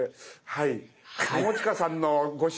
はい。